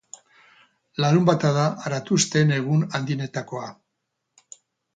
Larunbata da aratusteen egun handienetakoa.